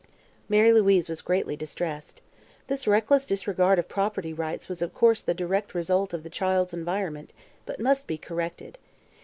Mary Louise was greatly distressed. This reckless disregard of property rights was of course the direct result of the child's environment, but must be corrected.